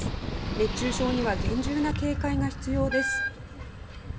熱中症には厳重な警戒が必要です。